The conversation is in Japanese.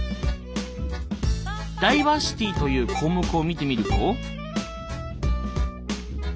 「ダイバーシティ」という項目を見てみると。